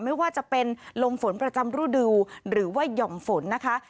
ไม่ว่าจะเป็นลมฝนประจำรูดูหรือว่าหย่อมฝนนะคะ